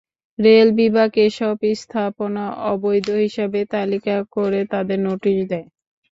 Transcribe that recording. Rail বিভাগ এসব স্থাপনা অবৈধ হিসেবে তালিকা করে তাঁদের নোটিশ দেয়।